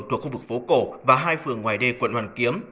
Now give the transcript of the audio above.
thuộc khu vực phố cổ và hai phường ngoài đê quận hoàn kiếm